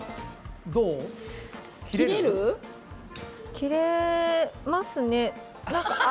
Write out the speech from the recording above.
切れますね。